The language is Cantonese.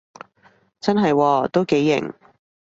真係喎，都幾型